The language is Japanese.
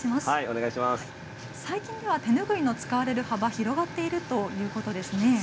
最近では手拭いが使われる幅が広がっているそうですね。